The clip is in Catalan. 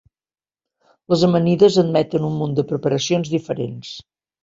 Les amanides admeten un munt de preparacions diferents.